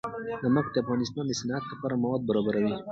نمک د افغانستان د صنعت لپاره مواد برابروي.